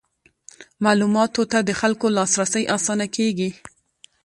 معلوماتو ته د خلکو لاسرسی اسانه کیږي.